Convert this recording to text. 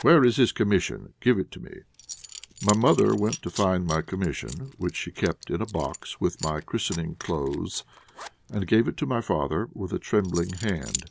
Where is his commission? Give it to me." My mother went to find my commission, which she kept in a box with my christening clothes, and gave it to my father with, a trembling hand.